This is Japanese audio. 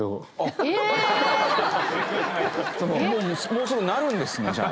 もうすぐなるんですねじゃあ。